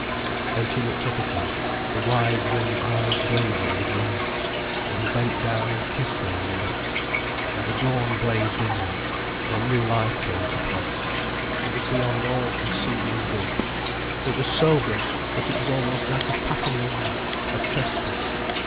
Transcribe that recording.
Then she looked up at him, the wide, young eyes blazing with light. And he bent down and kissed her on the lips. And the dawn blazed in them, their new life came to pass, it was beyond all conceiving good, it was so good, that it was almost like a passing away, a trespass.